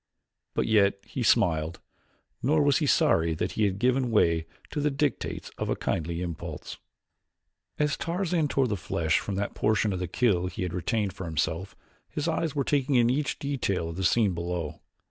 But yet he smiled, nor was he sorry that he had given way to the dictates of a kindly impulse. As Tarzan tore the flesh from that portion of the kill he had retained for himself his eyes were taking in each detail of the scene below.